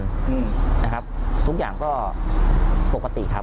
อืมนะครับทุกอย่างก็ปกติครับ